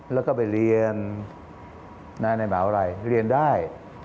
แล้วก็ไปเรียนแน่ในหมายว่าอะไรเรียนได้